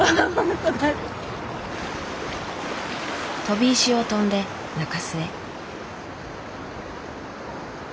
とび石を飛んで中州へ。